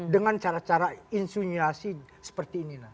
dengan cara cara insuniasi seperti ini lah